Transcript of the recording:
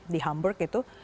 di hamburg itu